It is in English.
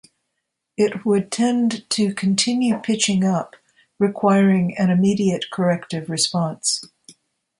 It would tend to continue pitching up, requiring an immediate corrective response.